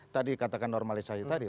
tadi katakan normalis saya tadi